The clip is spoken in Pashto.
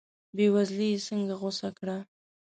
بې وزلي یې څنګه غوڅه کړه.